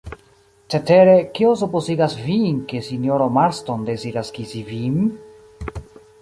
Cetere, kio supozigas vin, ke sinjoro Marston deziras kisi vin?